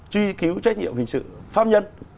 truy cứu trách nhiệm hình sự pháp nhân